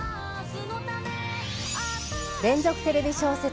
⁉連続テレビ小説